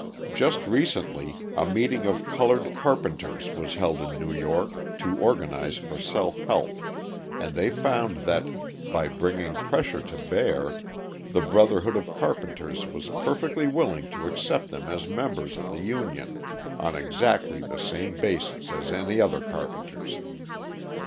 Just recently a meeting of coloured carpenters was held in New York to organise for self help, and they found that, by bringing pressure to bear, the Brotherhood of Carpenters was perfectly willing to accept them as members of the union, on exactly the same basis as any other carpenters.